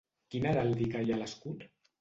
Quina heràldica hi ha a l'escut?